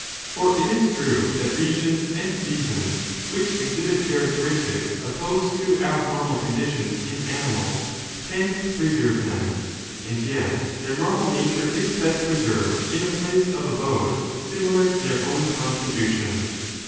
For it is true that regions and seasons which exhibit characteristics opposed to abnormal conditions in animals tend to preserve them, and yet their normal nature is best preserved in a place of abode similar to their own constitution.